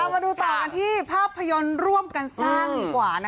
มาดูต่อกันที่ภาพยนตร์ร่วมกันสร้างดีกว่า